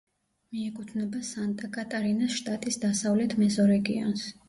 მიეკუთვნება სანტა-კატარინას შტატის დასავლეთ მეზორეგიონს.